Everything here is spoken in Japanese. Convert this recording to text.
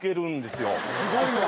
すごいわ。